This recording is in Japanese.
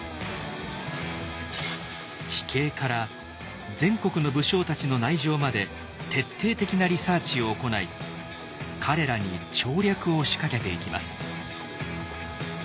地形から全国の武将たちの内情まで徹底的なリサーチを行い彼らに調略を仕掛けていきます。